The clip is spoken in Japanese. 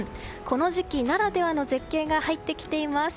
この時期ならではの絶景が入ってきています。